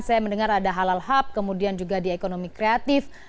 saya mendengar ada halal hub kemudian juga di ekonomi kreatif